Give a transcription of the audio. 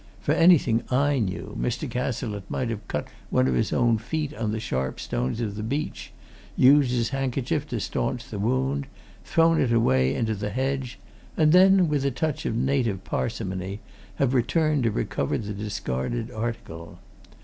For anything I knew, Mr. Cazalette might have cut one of his feet on the sharp stones on the beach, used his handkerchief to staunch the wound, thrown it away into the hedge, and then, with a touch of native parsimony, have returned to recover the discarded article.